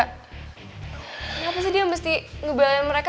kenapa sih dia mesti ngebayangin mereka